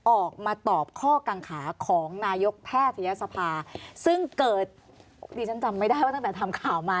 ออกมาตอบข้อกังขาของนายกแพทยศภาซึ่งเกิดดิฉันจำไม่ได้ว่าตั้งแต่ทำข่าวมา